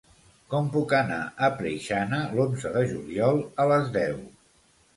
Com puc anar a Preixana l'onze de juliol a les deu?